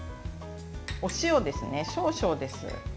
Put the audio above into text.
お塩ですね、少々です。